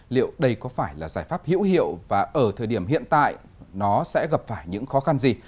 liệu đây có phải là giải pháp hữu hiệu và ở thời điểm hiện tại nó sẽ gặp phải những khó khăn gì